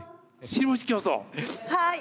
はい！